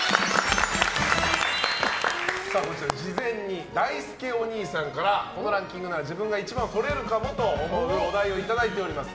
事前にだいすけおにいさんからこのランキングなら自分が１番をとれるかもと思うお題をいただいております。